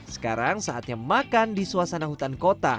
sekarang saatnya makan di suasana hutan kota